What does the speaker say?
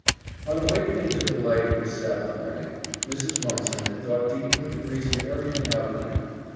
On awakening to the light of this Sabbath morning, Mrs. Mumpson had thought deeply and reasoned everything out again.